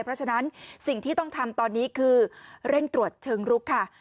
เพราะฉะนั้นสิ่งที่ต้องทำตอนนี้คือเร่งตรวจเชิงรุกค่ะ